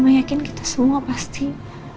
maka lu sekarang mungkin